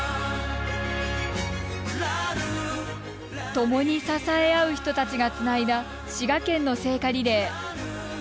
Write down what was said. ともに支え合う人たちがつないだ滋賀県の聖火リレー。